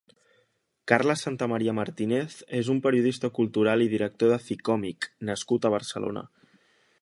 Carles Santamaría Martínez és un periodista cultural i director de Ficomic nascut a Barcelona.